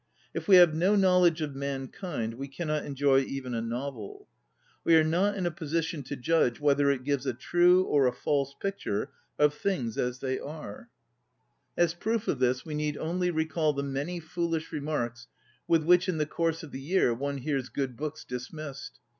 If we have no knowledge of mankind, we cannot enjoy even a novel. We are not in a position to judge whether it gives a true or a false picture of things as they are. 12 ON READING As proof of this we need only recall the many foolish remarks with which in the course of the year one hears good books dismissed.